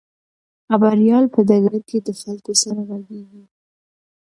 خبریال په ډګر کې د خلکو سره غږیږي.